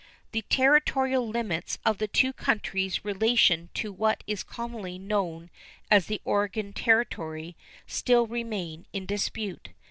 The territorial limits of the two countries relation to what is commonly known as the Oregon Territory still remain in dispute.